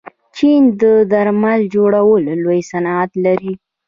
چین د درمل جوړولو لوی صنعت لري.